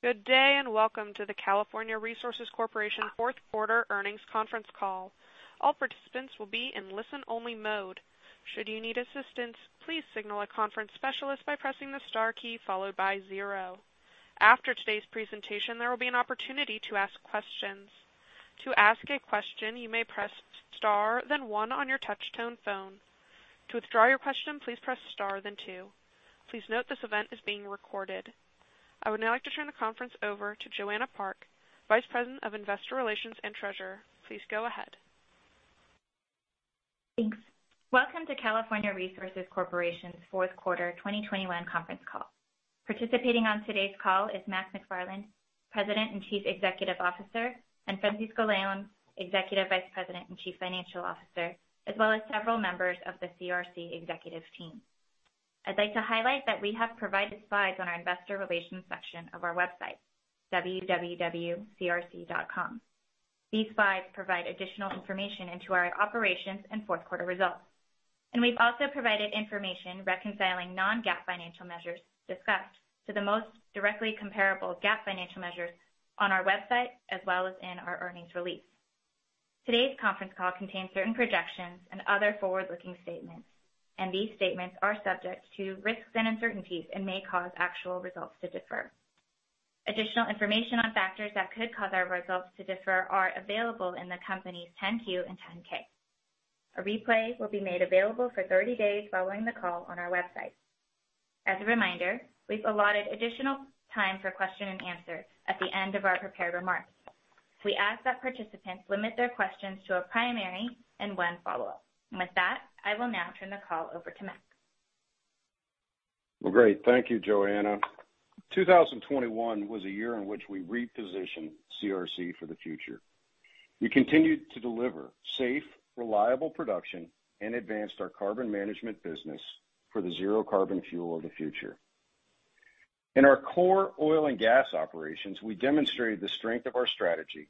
Good day, and welcome to the California Resources Corporation fourth quarter earnings conference call. All participants will be in listen-only mode. Should you need assistance, please signal a conference specialist by pressing the star key followed by zero. After today's presentation, there will be an opportunity to ask questions. To ask a question, you may press star then one on your touchtone phone. To withdraw your question, please press star then two. Please note this event is being recorded. I would now like to turn the conference over to Joanna Park, Vice President of Investor Relations and Treasurer. Please go ahead. Thanks. Welcome to California Resources Corporation's fourth quarter 2021 conference call. Participating on today's call is Mac McFarland, President and Chief Executive Officer, and Francisco Leon, Executive Vice President and Chief Financial Officer, as well as several members of the CRC executive team. I'd like to highlight that we have provided slides on our investor relations section of our website, www.crc.com. These slides provide additional information into our operations and fourth quarter results. We've also provided information reconciling non-GAAP financial measures discussed to the most directly comparable GAAP financial measures on our website as well as in our earnings release. Today's conference call contains certain projections and other forward-looking statements, and these statements are subject to risks and uncertainties and may cause actual results to differ. Additional information on factors that could cause our results to differ are available in the company's 10-Q and 10-K. A replay will be made available for 30 days following the call on our website. As a reminder, we've allotted additional time for question and answer at the end of our prepared remarks. We ask that participants limit their questions to a primary and one follow-up. With that, I will now turn the call over to Mac. Well, great. Thank you, Joanna. 2021 was a year in which we repositioned CRC for the future. We continued to deliver safe, reliable production and advanced our carbon management business for the zero carbon fuel of the future. In our core oil and gas operations, we demonstrated the strength of our strategy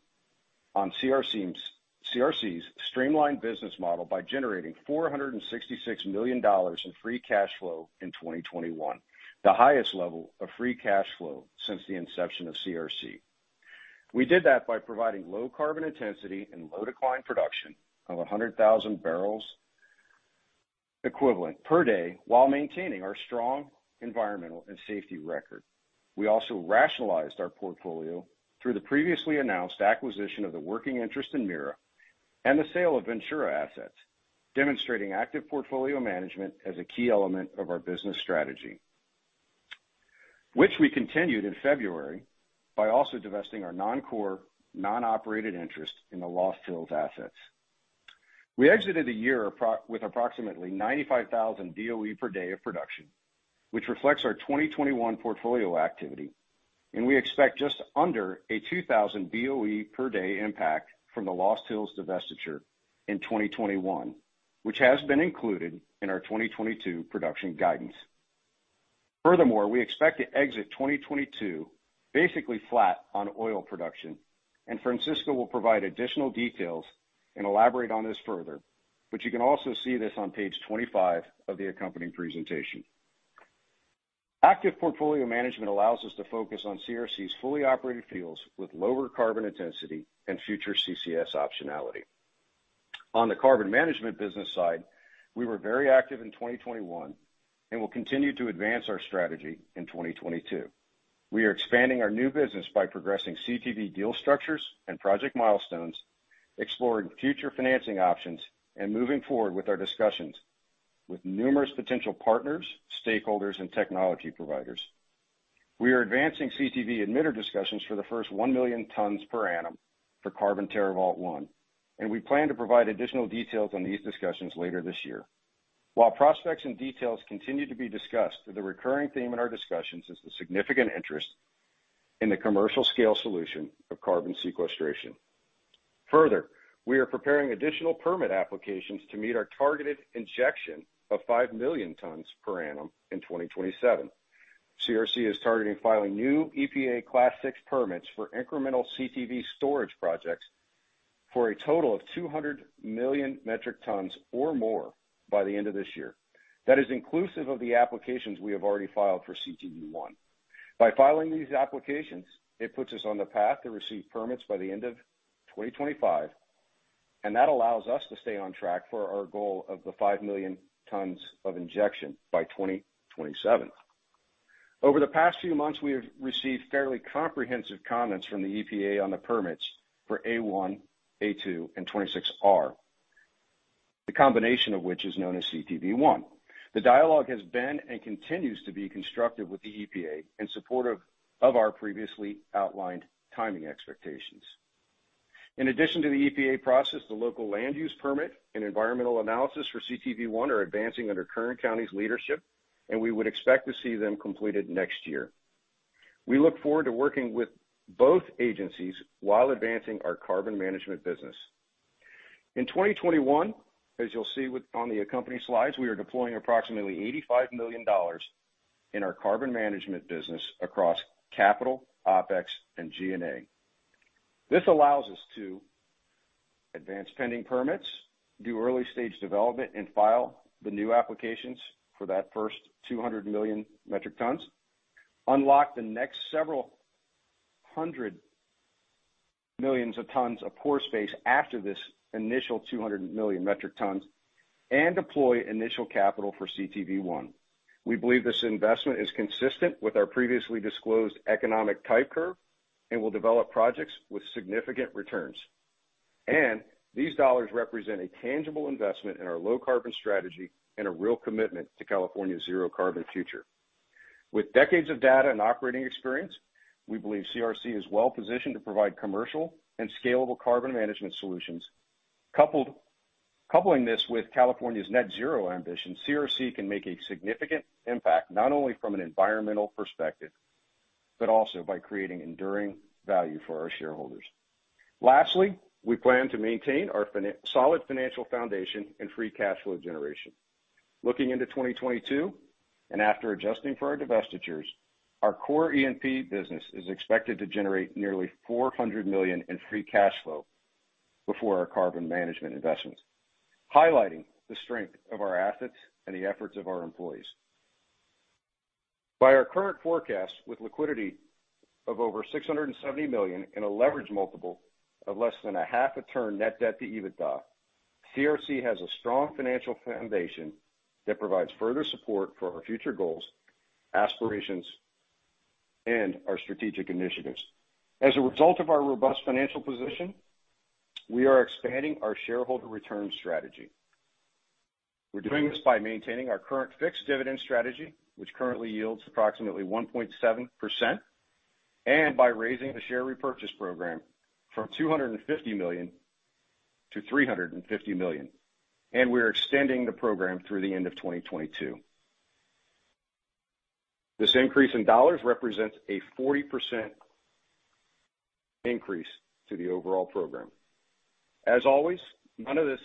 on CRC's streamlined business model by generating $466 million in free cash flow in 2021, the highest level of free cash flow since the inception of CRC. We did that by providing low carbon intensity and low decline production of 100,000 BOE per day while maintaining our strong environmental and safety record. We also rationalized our portfolio through the previously announced acquisition of the working interest in Mira and the sale of Ventura assets, demonstrating active portfolio management as a key element of our business strategy. Which we continued in February by also divesting our non-core, non-operated interest in the Lost Hills assets. We exited with approximately 95,000 BOE per day of production, which reflects our 2021 portfolio activity, and we expect just under a 2,000 BOE per day impact from the Lost Hills divestiture in 2021, which has been included in our 2022 production guidance. Furthermore, we expect to exit 2022 basically flat on oil production, and Francisco will provide additional details and elaborate on this further, but you can also see this on page 25 of the accompanying presentation. Active portfolio management allows us to focus on CRC's fully operated fields with lower carbon intensity and future CCS optionality. On the carbon management business side, we were very active in 2021 and will continue to advance our strategy in 2022. We are expanding our new business by progressing CTV deal structures and project milestones, exploring future financing options, and moving forward with our discussions with numerous potential partners, stakeholders, and technology providers. We are advancing CTV emitter discussions for the first 1 million tons per annum for Carbon TerraVault I, and we plan to provide additional details on these discussions later this year. While prospects and details continue to be discussed, the recurring theme in our discussions is the significant interest in the commercial scale solution of carbon sequestration. Further, we are preparing additional permit applications to meet our targeted injection of 5 million tons per annum in 2027. CRC is targeting filing new EPA Class VI permits for incremental CTV storage projects for a total of 200 million metric tons or more by the end of this year. That is inclusive of the applications we have already filed for CTV I. By filing these applications, it puts us on the path to receive permits by the end of 2025, and that allows us to stay on track for our goal of the 5 million tons of injection by 2027. Over the past few months, we have received fairly comprehensive comments from the EPA on the permits for A1, A2, and 26R, the combination of which is known as CTV I. The dialogue has been and continues to be constructive with the EPA in support of our previously outlined timing expectations. In addition to the EPA process, the local land use permit and environmental analysis for CTV I are advancing under Kern County's leadership, and we would expect to see them completed next year. We look forward to working with both agencies while advancing our carbon management business. In 2021, as you'll see on the accompanying slides, we are deploying approximately $85 million in our carbon management business across capital, OpEx, and G&A. This allows us to advance pending permits, do early stage development, and file the new applications for that first 200 million metric tons, unlock the next several hundred million tons of pore space after this initial 200 million metric tons, and deploy initial capital for CTV I. We believe this investment is consistent with our previously disclosed economic type curve and will develop projects with significant returns. These dollars represent a tangible investment in our low carbon strategy and a real commitment to California's zero carbon future. With decades of data and operating experience, we believe CRC is well-positioned to provide commercial and scalable carbon management solutions. Coupling this with California's net zero ambition, CRC can make a significant impact, not only from an environmental perspective, but also by creating enduring value for our shareholders. Lastly, we plan to maintain our solid financial foundation and free cash flow generation. Looking into 2022, and after adjusting for our divestitures, our core E&P business is expected to generate nearly $400 million in free cash flow before our carbon management investments, highlighting the strength of our assets and the efforts of our employees. By our current forecast, with liquidity of over $670 million and a leverage multiple of less than half a turn net debt to EBITDA, CRC has a strong financial foundation that provides further support for our future goals, aspirations, and our strategic initiatives. As a result of our robust financial position, we are expanding our shareholder return strategy. We're doing this by maintaining our current fixed dividend strategy, which currently yields approximately 1.7%, and by raising the share repurchase program from $250 million to $350 million. We're extending the program through the end of 2022. This increase in dollars represents a 40% increase to the overall program. As always, none of this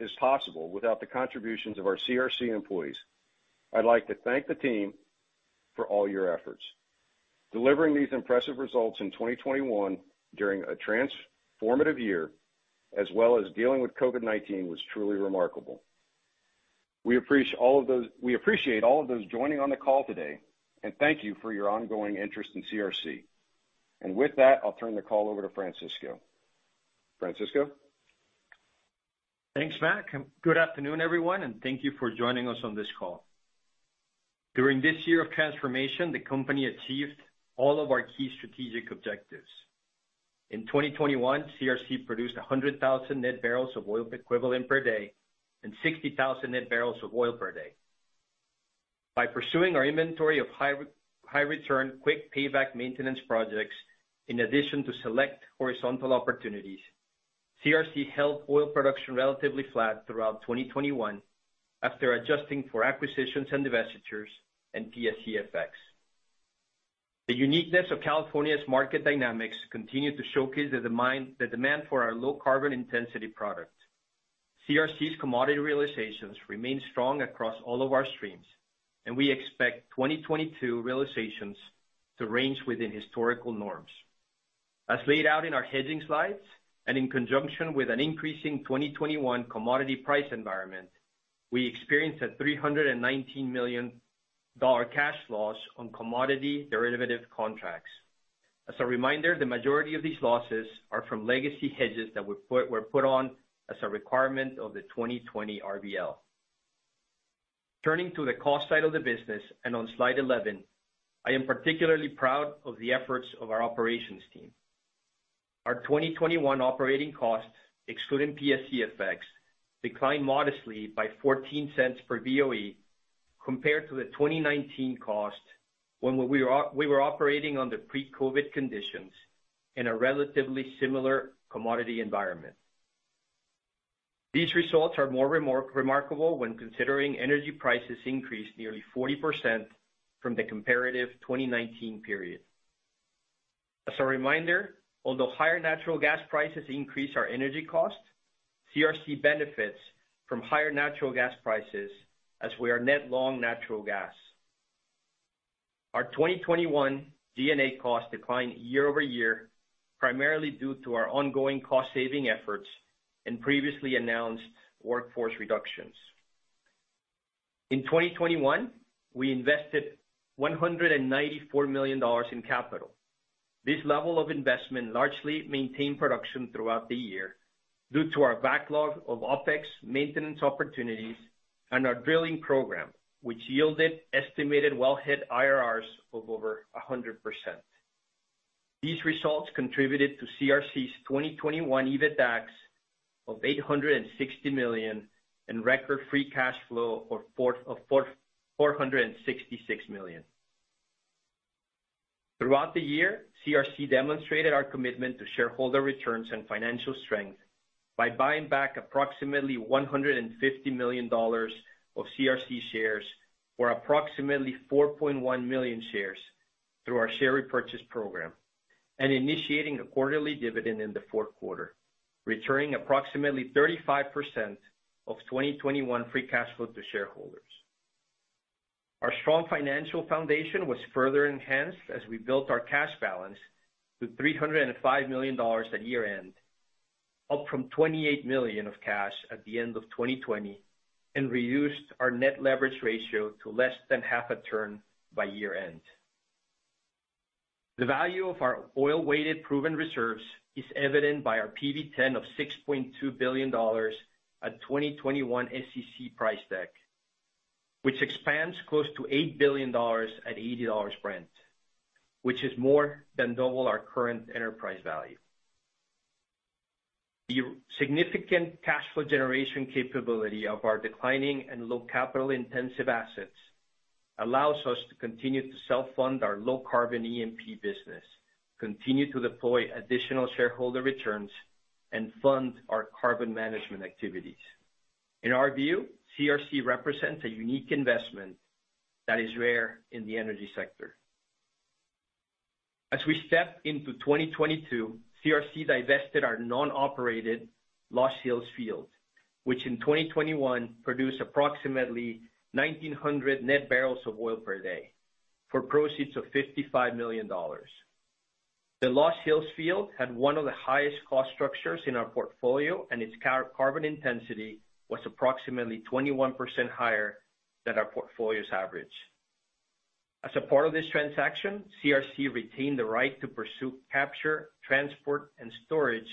is possible without the contributions of our CRC employees. I'd like to thank the team for all your efforts. Delivering these impressive results in 2021 during a transformative year, as well as dealing with COVID-19, was truly remarkable. We appreciate all of those joining on the call today, and thank you for your ongoing interest in CRC. With that, I'll turn the call over to Francisco. Francisco? Thanks, Mac, and good afternoon, everyone, and thank you for joining us on this call. During this year of transformation, the company achieved all of our key strategic objectives. In 2021, CRC produced 100,000 net barrels of oil equivalent per day and 60,000 net barrels of oil per day. By pursuing our inventory of high return, quick payback maintenance projects in addition to select horizontal opportunities, CRC held oil production relatively flat throughout 2021 after adjusting for acquisitions and divestitures and PSE effects. The uniqueness of California's market dynamics continued to showcase the demand for our low carbon intensity product. CRC's commodity realizations remain strong across all of our streams, and we expect 2022 realizations to range within historical norms. As laid out in our hedging slides, and in conjunction with an increasing 2021 commodity price environment, we experienced a $319 million cash loss on commodity derivative contracts. As a reminder, the majority of these losses are from legacy hedges that were put on as a requirement of the 2020 RBL. Turning to the cost side of the business, and on slide 11, I am particularly proud of the efforts of our operations team. Our 2021 operating costs, excluding PSE effects, declined modestly by $0.14 per BOE compared to the 2019 cost when we were operating under pre-COVID conditions in a relatively similar commodity environment. These results are more remarkable when considering energy prices increased nearly 40% from the comparative 2019 period. As a reminder, although higher natural gas prices increase our energy cost, CRC benefits from higher natural gas prices as we are net long natural gas. Our 2021 G&A costs declined year-over-year, primarily due to our ongoing cost saving efforts and previously announced workforce reductions. In 2021, we invested $194 million in capital. This level of investment largely maintained production throughout the year due to our backlog of OpEx maintenance opportunities and our drilling program, which yielded estimated well hit IRRs of over 100%. These results contributed to CRC's 2021 EBITDAX of $860 million and record free cash flow of $466 million. Throughout the year, CRC demonstrated our commitment to shareholder returns and financial strength by buying back approximately $150 million of CRC shares, or approximately 4.1 million shares through our share repurchase program, and initiating a quarterly dividend in the fourth quarter, returning approximately 35% of 2021 free cash flow to shareholders. Our strong financial foundation was further enhanced as we built our cash balance to $305 million at year-end, up from $28 million of cash at the end of 2020, and reduced our net leverage ratio to less than half a turn by year-end. The value of our oil-weighted proven reserves is evident by our PV-10 of $6.2 billion at 2021 SEC price deck, which expands close to $8 billion at $80 Brent, which is more than double our current enterprise value. The significant cash flow generation capability of our declining and low capital intensive assets allows us to continue to self-fund our low carbon E&P business, continue to deploy additional shareholder returns, and fund our carbon management activities. In our view, CRC represents a unique investment that is rare in the energy sector. As we step into 2022, CRC divested our non-operated Lost Hills field, which in 2021 produced approximately 1,900 net barrels of oil per day for proceeds of $55 million. The Lost Hills field had one of the highest cost structures in our portfolio, and its carbon intensity was approximately 21% higher than our portfolio's average. As a part of this transaction, CRC retained the right to pursue capture, transport, and storage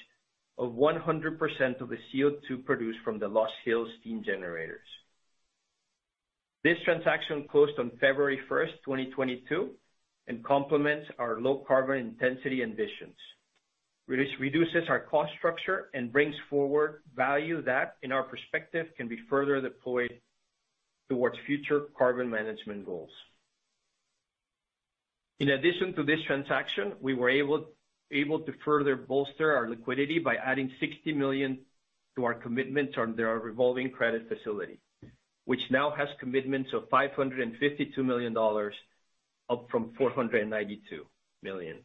of 100% of the CO2 produced from the Lost Hills steam generators. This transaction closed on February 1st, 2022, and complements our low carbon intensity ambitions. Reduces our cost structure and brings forward value that, in our perspective, can be further deployed towards future carbon management goals. In addition to this transaction, we were able to further bolster our liquidity by adding $60 million to our commitment under our revolving credit facility, which now has commitments of $552 million, up from $492 million.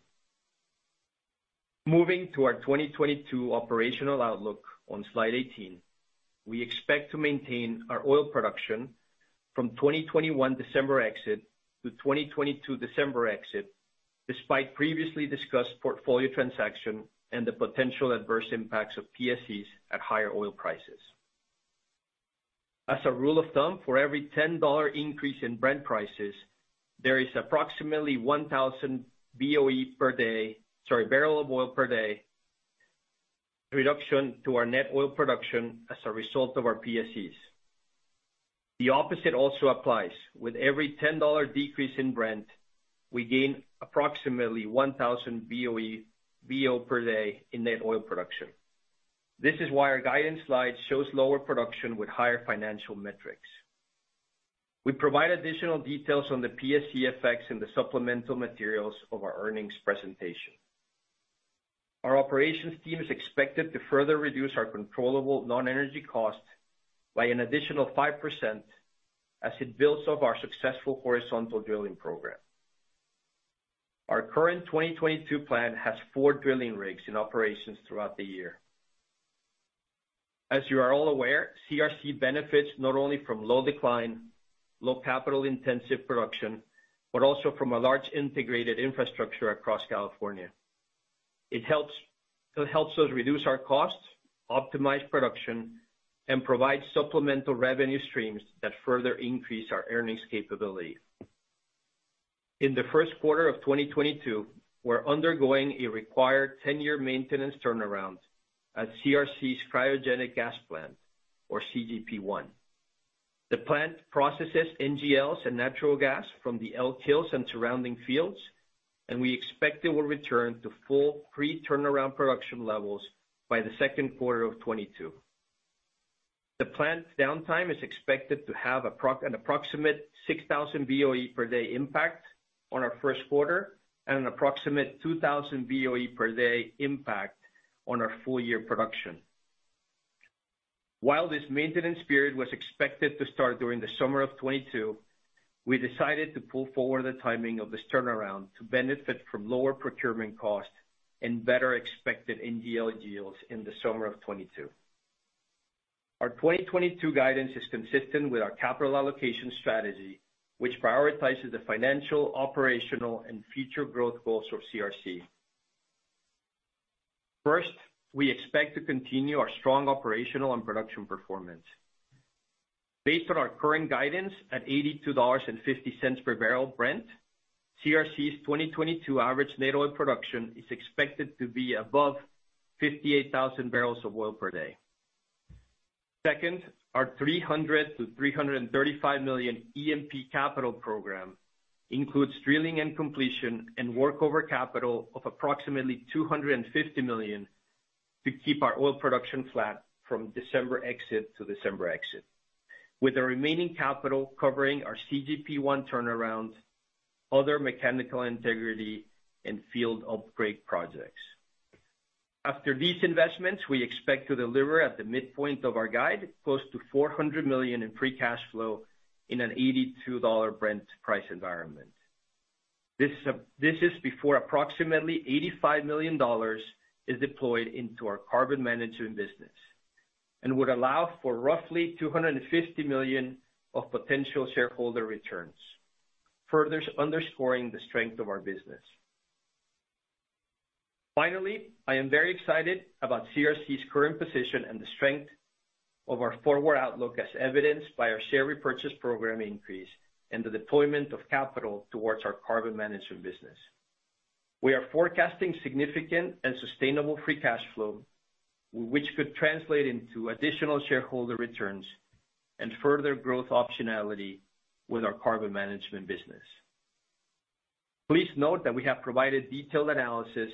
Moving to our 2022 operational outlook on slide 18. We expect to maintain our oil production from 2021 December exit to 2022 December exit, despite previously discussed portfolio transaction and the potential adverse impacts of PSEs at higher oil prices. As a rule of thumb, for every $10 increase in Brent prices, there is approximately 1,000 BOE per day, sorry, barrel of oil per day, reduction to our net oil production as a result of our PSEs. The opposite also applies. With every $10 decrease in Brent, we gain approximately 1,000 BOE per day in net oil production. This is why our guidance slide shows lower production with higher financial metrics. We provide additional details on the PSE effects in the supplemental materials of our earnings presentation. Our operations team is expected to further reduce our controllable non-energy costs by an additional 5% as it builds off our successful horizontal drilling program. Our current 2022 plan has four drilling rigs in operations throughout the year. As you are all aware, CRC benefits not only from low decline, low capital intensive production, but also from a large integrated infrastructure across California. It helps us reduce our costs, optimize production, and provide supplemental revenue streams that further increase our earnings capability. In the first quarter of 2022, we're undergoing a required ten-year maintenance turnaround at CRC's cryogenic gas plant or CGP1. The plant processes NGLs and natural gas from the Elk Hills and surrounding fields, and we expect it will return to full pre-turnaround production levels by the second quarter of 2022. The plant downtime is expected to have an approximate 6,000 BOE per day impact on our first quarter and an approximate 2,000 BOE per day impact on our full year production. While this maintenance period was expected to start during the summer of 2022, we decided to pull forward the timing of this turnaround to benefit from lower procurement costs and better expected NGL deals in the summer of 2022. Our 2022 guidance is consistent with our capital allocation strategy, which prioritizes the financial, operational, and future growth goals of CRC. First, we expect to continue our strong operational and production performance. Based on our current guidance, at $82.50 per barrel Brent, CRC's 2022 average net oil production is expected to be above 58,000 barrels of oil per day. Second, our $300 million-$335 million E&P capital program includes drilling and completion and work over capital of approximately $250 million to keep our oil production flat from December exit to December exit, with the remaining capital covering our CGP1 turnaround, other mechanical integrity, and field upgrade projects. After these investments, we expect to deliver at the midpoint of our guide, close to $400 million in free cash flow in an $82 Brent price environment. This is before approximately $85 million is deployed into our carbon management business and would allow for roughly $250 million of potential shareholder returns, furthers underscoring the strength of our business. Finally, I am very excited about CRC's current position and the strength of our forward outlook, as evidenced by our share repurchase program increase and the deployment of capital towards our carbon management business. We are forecasting significant and sustainable free cash flow, which could translate into additional shareholder returns and further growth optionality with our carbon management business. Please note that we have provided detailed analysis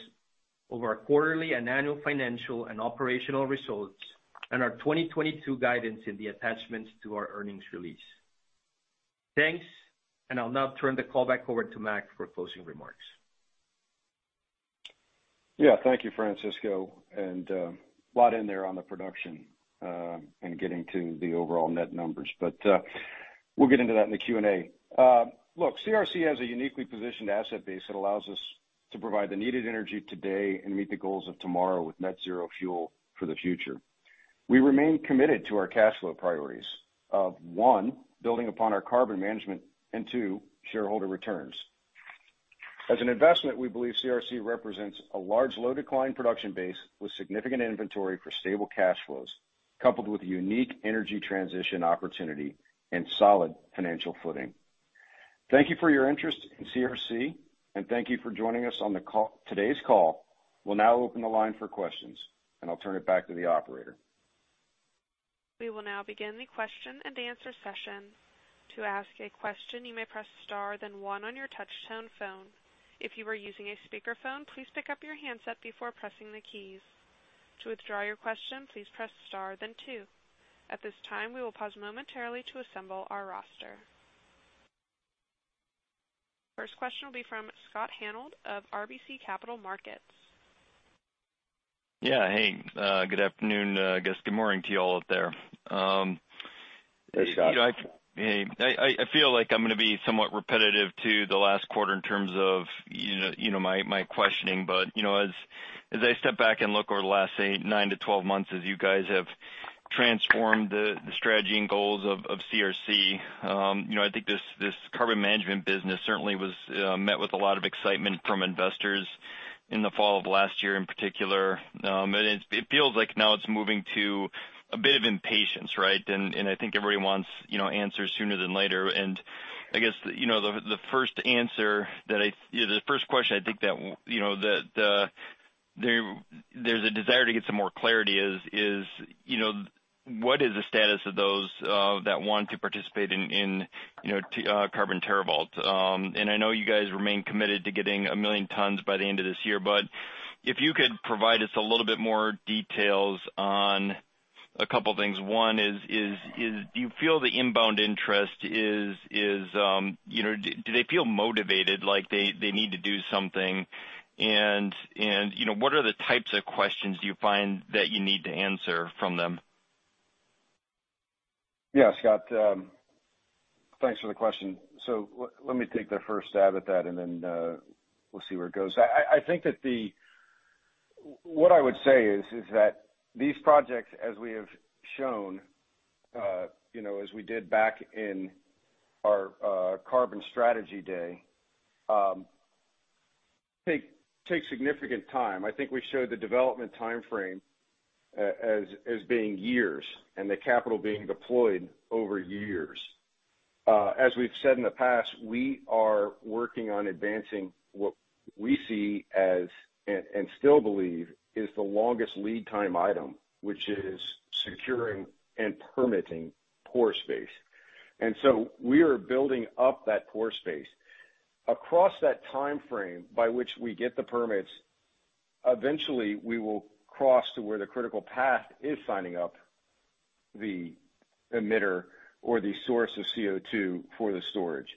of our quarterly and annual financial and operational results and our 2022 guidance in the attachments to our earnings release. Thanks. I'll now turn the call back over to Mac for closing remarks. Yeah, thank you, Francisco. A lot in there on the production, and getting to the overall net numbers, but, we'll get into that in the Q&A. Look, CRC has a uniquely positioned asset base that allows us to provide the needed energy today and meet the goals of tomorrow with net zero fuel for the future. We remain committed to our cash flow priorities of, one, building upon our carbon management and two, shareholder returns. As an investment, we believe CRC represents a large low decline production base with significant inventory for stable cash flows, coupled with unique energy transition opportunity and solid financial footing. Thank you for your interest in CRC, and thank you for joining us on the call, today's call. We'll now open the line for questions, and I'll turn it back to the operator. We will now begin the question and answer session. To ask a question, you may press star then one on your touchtone phone. If you are using a speakerphone, please pick up your handset before pressing the keys. To withdraw your question, please press star then two. At this time, we will pause momentarily to assemble our roster. First question will be from Scott Hanold of RBC Capital Markets. Yeah. Hey, good afternoon, I guess good morning to you all out there. Hey, Scott. You know, I feel like I'm gonna be somewhat repetitive to the last quarter in terms of, you know, my questioning, but, you know, as I step back and look over the last eight, nine to 12 months as you guys have transformed the strategy and goals of CRC, you know, I think this carbon management business certainly was met with a lot of excitement from investors in the fall of last year in particular. It feels like now it's moving to a bit of impatience, right? I think everybody wants, you know, answers sooner than later. I guess, you know, the first question I think that, you know, there's a desire to get some more clarity is, you know, what is the status of those that want to participate in, you know, Carbon TerraVault? I know you guys remain committed to getting 1 million tons by the end of this year. If you could provide us a little bit more details on a couple things. One is, do you feel the inbound interest is, you know. Do they feel motivated like they need to do something? What are the types of questions do you find that you need to answer from them? Yeah, Scott, thanks for the question. Let me take the first stab at that, and then, we'll see where it goes. I think that what I would say is that these projects, as we have shown, you know, as we did back in our carbon strategy day, take significant time. I think we showed the development timeframe as being years and the capital being deployed over years. As we've said in the past, we are working on advancing what we see as, and still believe, is the longest lead time item, which is securing and permitting pore space. We are building up that pore space. Across that timeframe by which we get the permits, eventually we will cross to where the critical path is signing up the emitter or the source of CO2 for the storage.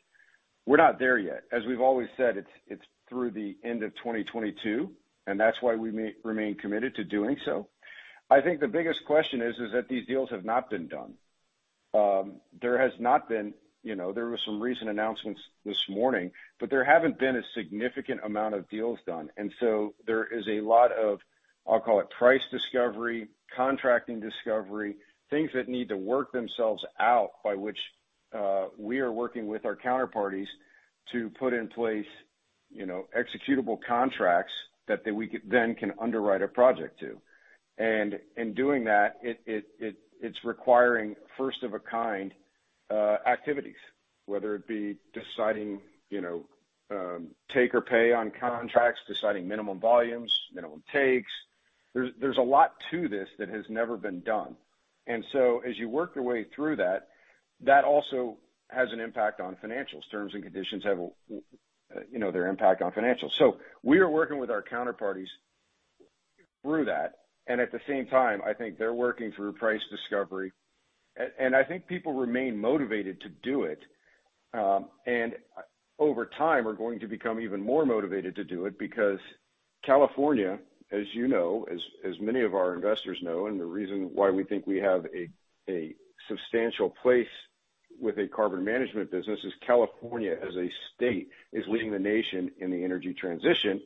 We're not there yet. As we've always said, it's through the end of 2022, and that's why we remain committed to doing so. I think the biggest question is that these deals have not been done. You know, there was some recent announcements this morning, but there haven't been a significant amount of deals done. There is a lot of, I'll call it price discovery, contracting discovery, things that need to work themselves out by which we are working with our counterparties to put in place, you know, executable contracts that we can then underwrite a project to. In doing that, it's requiring first of a kind activities, whether it be deciding, you know, take or pay on contracts, deciding minimum volumes, minimum takes. There's a lot to this that has never been done. As you work your way through that also has an impact on financials. Terms and conditions have, you know, their impact on financials. We are working with our counterparties through that, and at the same time, I think they're working through price discovery. I think people remain motivated to do it, and over time are going to become even more motivated to do it because California, as you know, as many of our investors know, and the reason why we think we have a substantial place with a carbon management business is California as a state is leading the nation in the energy transition.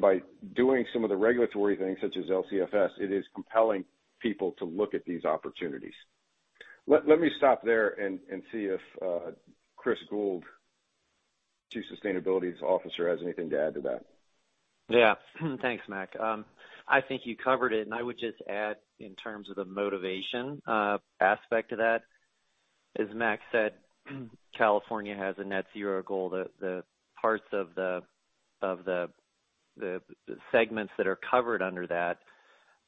By doing some of the regulatory things such as LCFS, it is compelling people to look at these opportunities. Let me stop there and see if Chris Gould, Chief Sustainability Officer, has anything to add to that. Yeah. Thanks, Mac. I think you covered it, and I would just add in terms of the motivation aspect to that. As Mac said, California has a net zero goal. The parts of the segments that are covered under that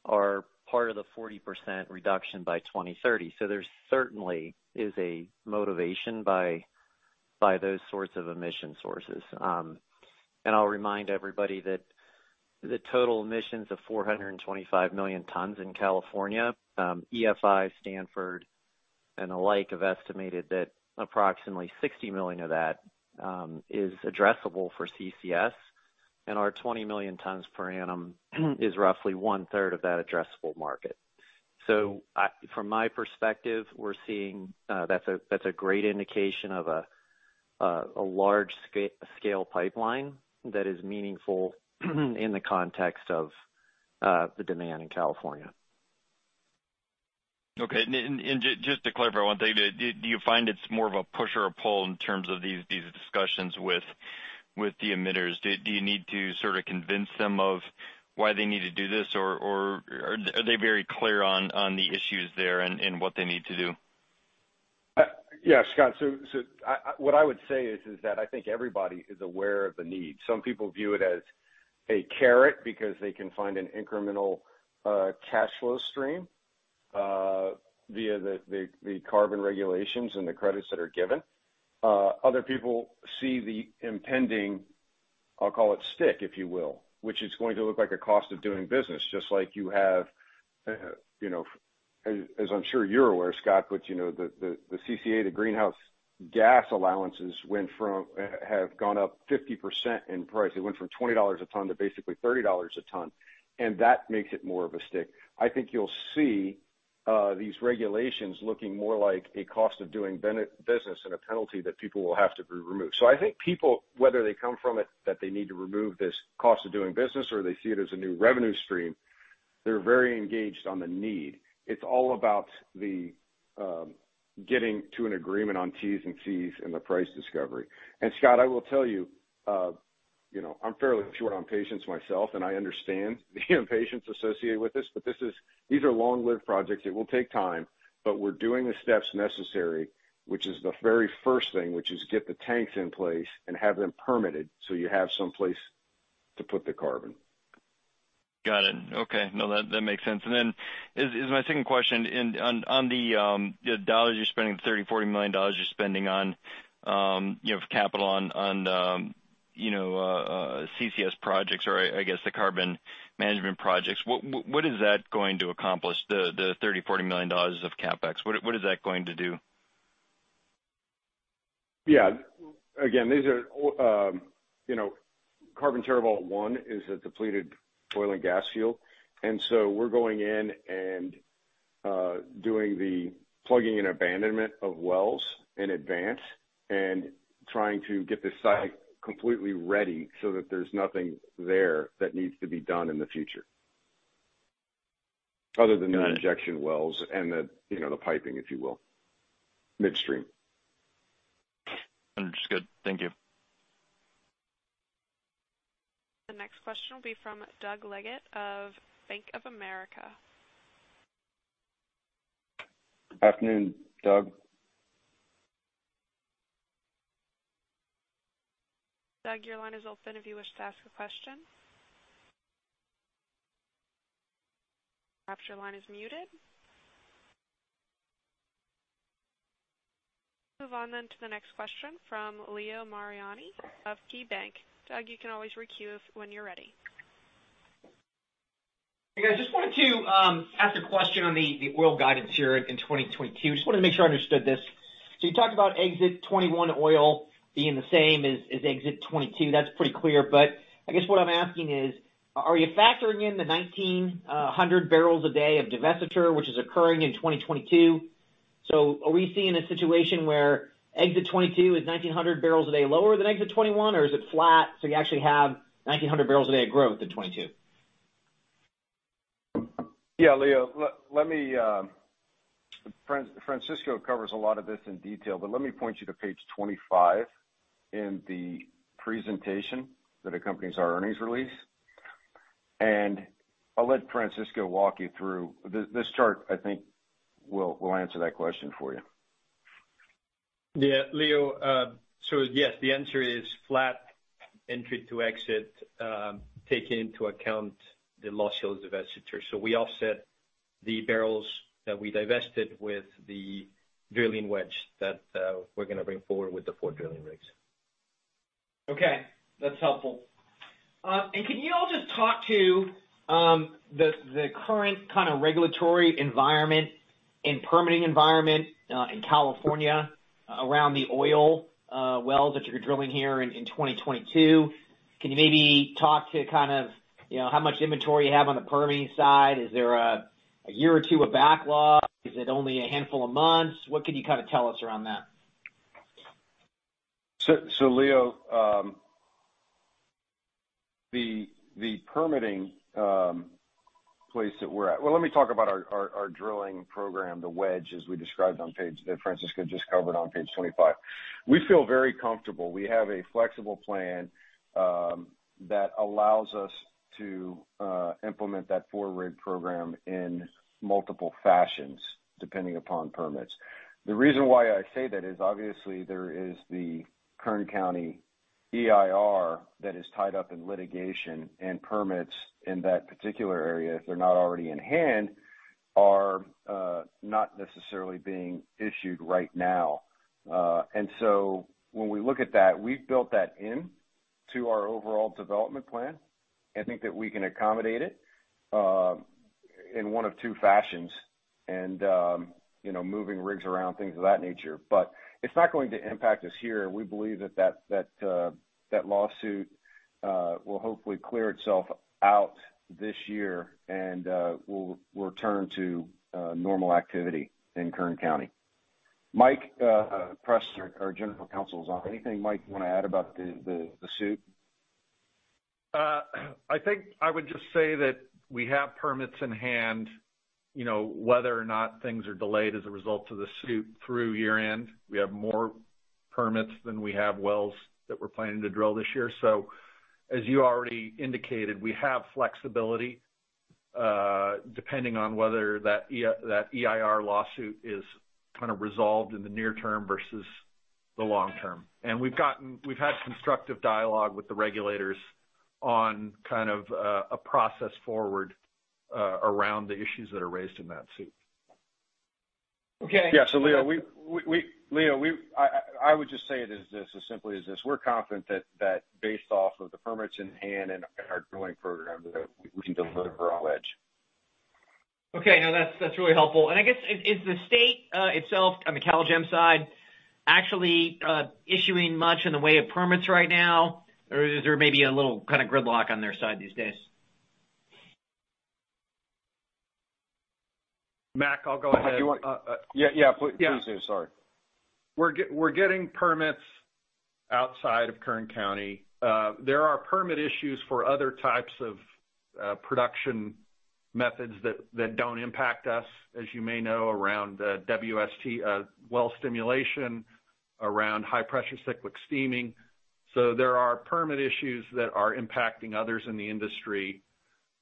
are part of the 40% reduction by 2030. There certainly is a motivation by those sorts of emission sources. I'll remind everybody that the total emissions of 425 million tons in California, EFI, Stanford, and the like, have estimated that approximately 60 million of that is addressable for CCS, and our 20 million tons per annum is roughly 1/3 of that addressable market. From my perspective, we're seeing that's a great indication of a large scale pipeline that is meaningful in the context of the demand in California. Okay. Just to clarify one thing, do you find it's more of a push or a pull in terms of these discussions with the emitters? Do you need to sort of convince them of why they need to do this? Or are they very clear on the issues there and what they need to do? Yeah, Scott. What I would say is that I think everybody is aware of the need. Some people view it as a carrot because they can find an incremental cash flow stream via the carbon regulations and the credits that are given. Other people see the impending, I'll call it stick, if you will, which is going to look like a cost of doing business, just like you have, you know, as I'm sure you're aware, Scott, but you know, the CCA, the greenhouse gas allowances have gone up 50% in price. It went from $20 a ton to basically $30 a ton, and that makes it more of a stick. I think you'll see these regulations looking more like a cost of doing business and a penalty that people will have to remove. I think people, whether they come from it, that they need to remove this cost of doing business or they see it as a new revenue stream, they're very engaged on the need. It's all about the getting to an agreement on T's and C's and the price discovery. Scott, I will tell you know, I'm fairly short on patience myself, and I understand the impatience associated with this, but these are long-lived projects. It will take time, but we're doing the steps necessary, which is the very first thing, which is get the tanks in place and have them permitted so you have some place to put the carbon. Got it. Okay. No, that makes sense. My second question on the dollars you're spending, the $30 million-$40 million you're spending on you know capital on CCS projects or I guess the carbon management projects, what is that going to accomplish, the $30 million-$40 million of CapEx? What is that going to do? Yeah. Again, these are all, you know, Carbon TerraVault I is a depleted oil and gas field. We're going in and doing the plugging and abandonment of wells in advance and trying to get the site completely ready so that there's nothing there that needs to be done in the future other than the injection wells and the, you know, the piping, if you will, midstream. Understood. Thank you. The next question will be from Doug Leggate of Bank of America. Afternoon, Doug. Doug, your line is open if you wish to ask a question. Perhaps your line is muted. Move on to the next question from Leo Mariani of KeyBanc. Doug, you can always request when you're ready. Hey, guys. Just wanted to ask a question on the oil guidance here in 2022. Just wanted to make sure I understood this. You talked about exit 2021 oil being the same as exit 2022. That's pretty clear. I guess what I'm asking is, are you factoring in the 1,900 bbl a day of divestiture which is occurring in 2022? Are we seeing a situation where exit 2022 is 1,900 barrels a day lower than exit 2021, or is it flat, so you actually have 1,900 bbl a day of growth in 2022? Yeah, Leo. Let me... Francisco covers a lot of this in detail, but let me point you to page 25 in the presentation that accompanies our earnings release. I'll let Francisco walk you through. This chart, I think, will answer that question for you. Yeah, Leo. Yes, the answer is flat entry to exit, taking into account the Lost Hills divestiture. We offset the barrels that we divested with the drilling wedge that we're gonna bring forward with the four drilling rigs. Okay, that's helpful. Can you all just talk to the current kinda regulatory environment in permitting environment in California around the oil wells that you're drilling here in 2022? Can you maybe talk to kind of, you know, how much inventory you have on the permitting side? Is there a year or two of backlog? Is it only a handful of months? What can you kind of tell us around that? Leo, the permitting place that we're at. Well, let me talk about our drilling program, the wedge, as we described on page 25 that Francisco just covered on page 25. We feel very comfortable. We have a flexible plan that allows us to implement that four rig program in multiple fashions, depending upon permits. The reason why I say that is obviously there is the Kern County EIR that is tied up in litigation and permits in that particular area, if they're not already in hand, are not necessarily being issued right now. When we look at that, we've built that in to our overall development plan. I think that we can accommodate it in one of two fashions and you know, moving rigs around, things of that nature. It's not going to impact us here. We believe that lawsuit will hopefully clear itself out this year, and we'll return to normal activity in Kern County. Mike Press, our general counsel is on. Anything Mike you wanna add about the suit? I think I would just say that we have permits in hand, you know, whether or not things are delayed as a result of the suit through year-end, we have more permits than we have wells that we're planning to drill this year. As you already indicated, we have flexibility, depending on whether that EIR lawsuit is kind of resolved in the near term versus the long term. We've had constructive dialogue with the regulators on kind of a process forward, around the issues that are raised in that suit. Okay. Yeah. Leo, I would just say it as simply as this. We're confident that based off of the permits in hand and our drilling program that we can deliver on wedge. Okay. No, that's really helpful. I guess is the state itself on the CalGEM side actually issuing much in the way of permits right now? Or is there maybe a little kind of gridlock on their side these days? Mac, I'll go ahead. Yeah, yeah. Yeah. Please do. Sorry. We're getting permits outside of Kern County. There are permit issues for other types of production methods that don't impact us, as you may know, around WST, well stimulation, around high pressure cyclic steaming. There are permit issues that are impacting others in the industry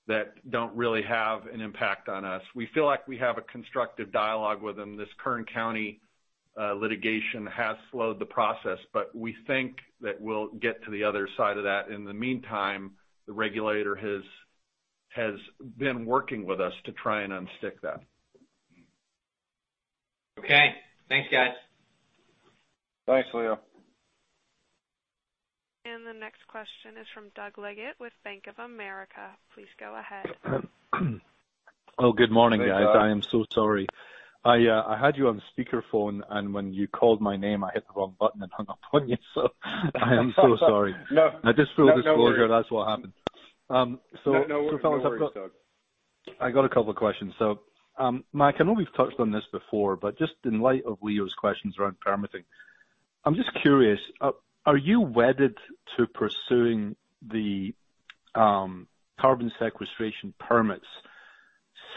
that don't really have an impact on us. We feel like we have a constructive dialogue with them. This Kern County litigation has slowed the process, but we think that we'll get to the other side of that. In the meantime, the regulator has been working with us to try and unstick that. Okay. Thanks, guys. Thanks, Leo. The next question is from Doug Leggate with Bank of America. Please go ahead. Oh, good morning, guys. Hey, Doug. I am so sorry. I had you on speakerphone, and when you called my name, I hit the wrong button and hung up on you, so I am so sorry. No. Now, just full disclosure, that's what happened. No worry, Doug. I got a couple of questions. Mac, I know we've touched on this before, but just in light of Leo's questions around permitting, I'm just curious, are you wedded to pursuing the carbon sequestration permits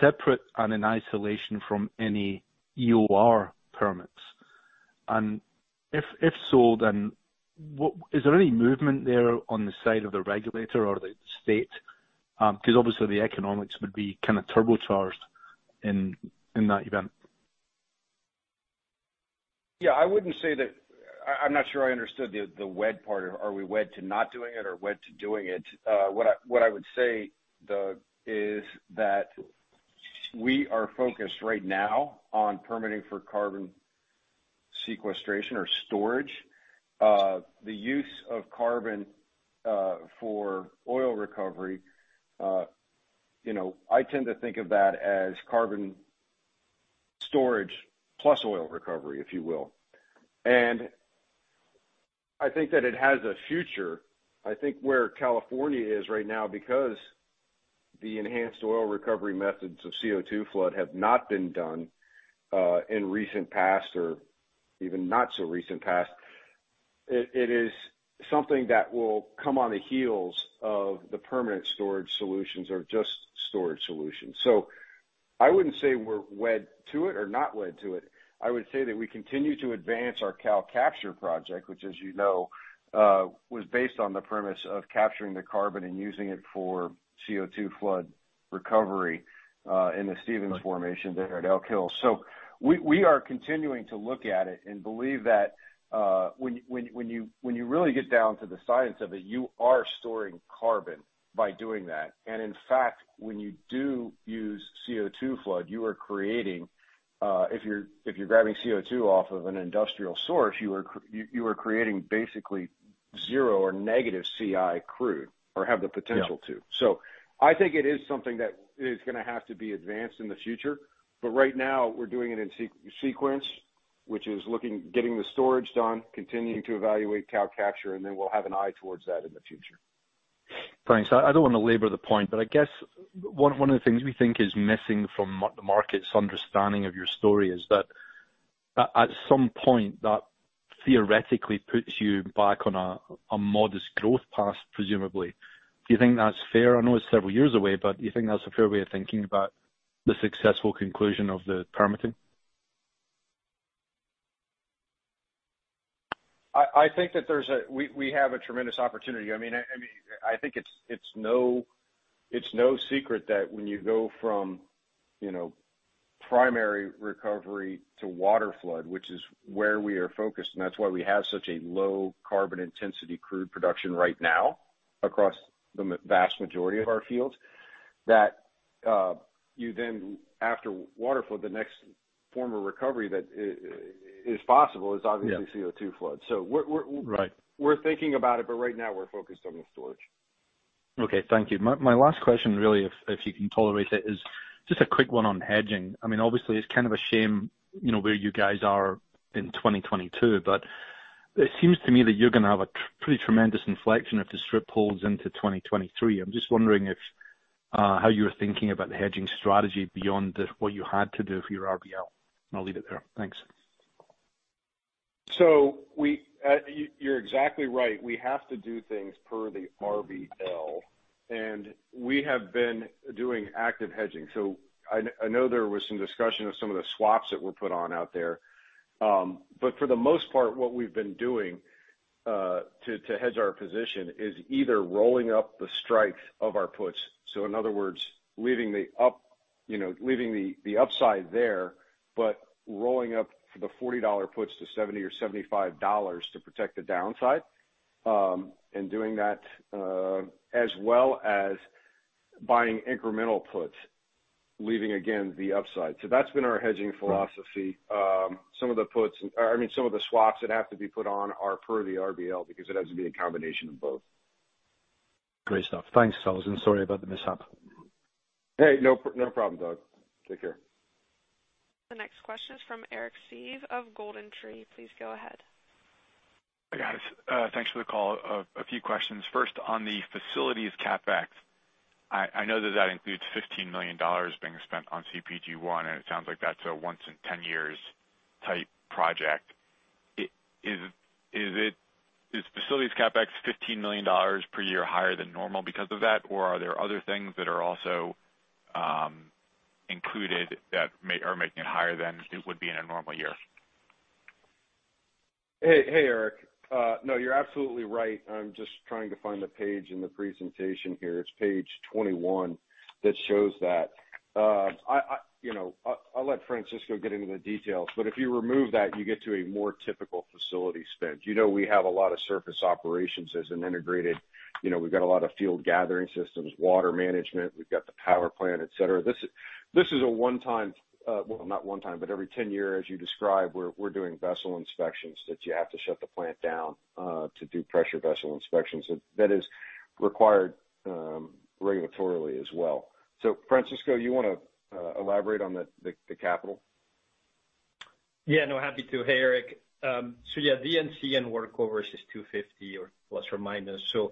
separate and in isolation from any EOR permits? If so, then is there any movement there on the side of the regulator or the state? 'Cause obviously the economics would be kind of turbocharged in that event. Yeah, I wouldn't say that. I'm not sure I understood the wed part. Are we wed to not doing it or wed to doing it? What I would say, Doug, is that we are focused right now on permitting for carbon sequestration or storage. The use of carbon for oil recovery, you know, I tend to think of that as carbon storage plus oil recovery, if you will. I think that it has a future. I think where California is right now because the enhanced oil recovery methods of CO2 flood have not been done in recent past or even not so recent past, it is something that will come on the heels of the permanent storage solutions or just storage solutions. I wouldn't say we're wed to it or not wed to it. I would say that we continue to advance our CalCapture project, which as you know, was based on the premise of capturing the carbon and using it for CO2 flood recovery, in the Stevens Formation there at Elk Hills. We are continuing to look at it and believe that, when you really get down to the science of it, you are storing carbon by doing that. In fact, when you do use CO2 flood, you are creating, if you're grabbing CO2 off of an industrial source, you are creating basically zero or negative CI crude or have the potential to. Yeah. I think it is something that is gonna have to be advanced in the future, but right now we're doing it in sequence. Which is getting the storage done, continuing to evaluate CO2 capture, and then we'll have an eye towards that in the future. Thanks. I don't wanna labor the point, but I guess one of the things we think is missing from the market's understanding of your story is that at some point, that theoretically puts you back on a modest growth path, presumably. Do you think that's fair? I know it's several years away, but do you think that's a fair way of thinking about the successful conclusion of the permitting? I think we have a tremendous opportunity. I mean, I think it's no secret that when you go from, you know, primary recovery to water flood, which is where we are focused, and that's why we have such a low carbon intensity crude production right now across the vast majority of our fields, that you then after water flood, the next form of recovery that is possible is obviously. Yeah. CO2 flood. We're- Right. We're thinking about it, but right now we're focused on the storage. Okay, thank you. My last question really, if you can tolerate it, is just a quick one on hedging. I mean, obviously, it's kind of a shame, you know, where you guys are in 2022, but it seems to me that you're gonna have a pretty tremendous inflection if the strip holds into 2023. I'm just wondering how you're thinking about the hedging strategy beyond what you had to do for your RBL. I'll leave it there. Thanks. You're exactly right. We have to do things per the RBL, and we have been doing active hedging. I know there was some discussion of some of the swaps that were put on out there. But for the most part, what we've been doing to hedge our position is either rolling up the strikes of our puts, so in other words, leaving the upside, you know, but rolling up the $40 puts to $70 or $75 to protect the downside, and doing that as well as buying incremental puts, leaving again the upside. That's been our hedging philosophy. Some of the puts or, I mean, some of the swaps that have to be put on are per the RBL because it has to be a combination of both. Great stuff. Thanks, Sullivan. Sorry about the mishap. Hey, no problem, Doug. Take care. The next question is from Eric Seeve of GoldenTree. Please go ahead. Hi, guys. Thanks for the call. I have a few questions. First, on the facilities CapEx, I know that includes $15 million being spent on CGP-1, and it sounds like that's a once in 10 years type project. Is facilities CapEx $15 million per year higher than normal because of that? Or are there other things that are also included that are making it higher than it would be in a normal year? Hey, hey, Eric. No, you're absolutely right. I'm just trying to find the page in the presentation here. It's page 21 that shows that. I you know, I'll let Francisco get into the details, but if you remove that, you get to a more typical facility spend. You know, we have a lot of surface operations as an integrated, you know, we've got a lot of field gathering systems, water management, we've got the power plant, et cetera. This is a one-time, well, not one time, but every 10 years, you describe, we're doing vessel inspections that you have to shut the plant down to do pressure vessel inspections. That is required regulatorily as well. So Francisco, you wanna elaborate on the capital? Yeah, no, happy to. Hey, Eric. So yeah, the D&C workovers is 250 ±.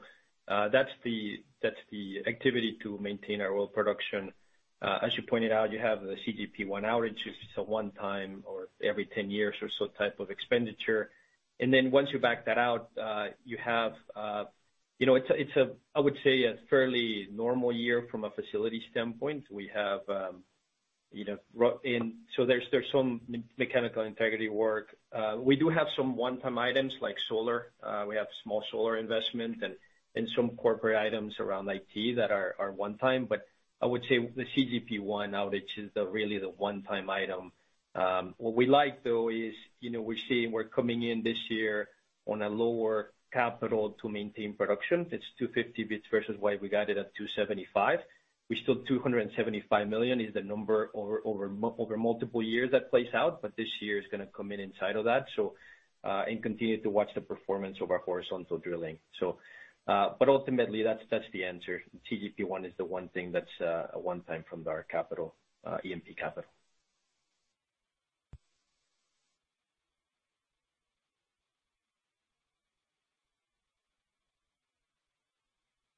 That's the activity to maintain our oil production. As you pointed out, you have the CGP-1 outage, which is a one-time or every 10 years or so type of expenditure. Then once you back that out, you have, you know, it's a, I would say, a fairly normal year from a facility standpoint. We have, you know, and so there's some mechanical integrity work. We do have some one-time items like solar. We have small solar investment and some corporate items around IT that are one time. But I would say the CGP-1 outage is really the one-time item. What we like though is, you know, we're coming in this year on a lower capital to maintain production. It's $250 million versus what we guided at $275 million. We still $275 million is the number over multiple years that plays out, but this year is gonna come in inside of that. Continue to watch the performance of our horizontal drilling. Ultimately, that's the answer. CGP-1 is the one thing that's a one time from our capital, E&P capital.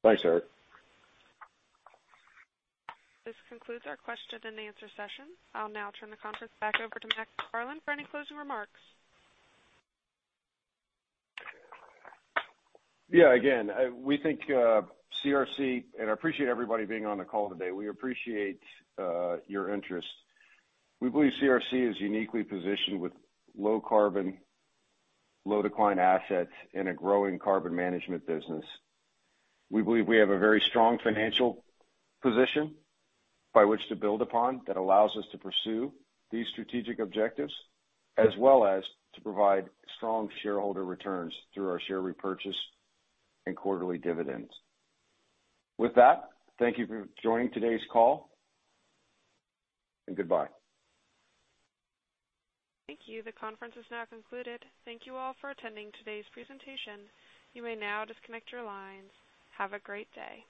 Thanks, Eric. This concludes our question and answer session. I'll now turn the conference back over to Mac McFarland for any closing remarks. Again, we think CRC. I appreciate everybody being on the call today. We appreciate your interest. We believe CRC is uniquely positioned with low carbon, low decline assets, and a growing carbon management business. We believe we have a very strong financial position by which to build upon that allows us to pursue these strategic objectives, as well as to provide strong shareholder returns through our share repurchase and quarterly dividends. With that, thank you for joining today's call, and goodbye. Thank you. The conference is now concluded. Thank you all for attending today's presentation. You may now disconnect your lines. Have a great day.